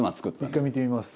一回見てみます。